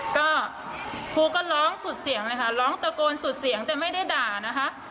ก็ครูก็ร้องสุดเสียงเลยค่ะร้องตะโกนสุดเสียงแต่ไม่ได้ด่านะคะ